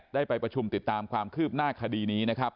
ได้ไปประชุมติดตามความคืบหน้าคดีนี้นะครับ